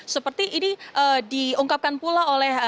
seperti ini diungkapkan pula oleh